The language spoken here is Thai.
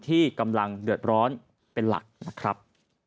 ที่กำลังเดือดร้อนเป็นหลักนะครับ